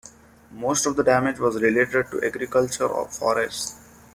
Most of the damage was related to agriculture or forests.